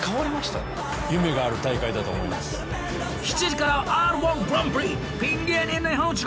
７時から「Ｒ‐１グランプリ」